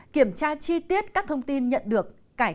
kiểm tra chi tiết các thông tin nhận được